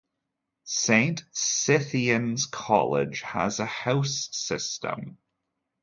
Saint Stithians College has a house system.